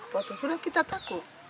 potong sudah kita takut